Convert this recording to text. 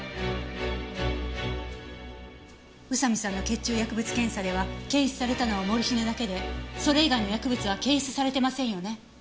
宇佐見さんの血中薬物検査では検出されたのはモルヒネだけでそれ以外の薬物は検出されてませんよね？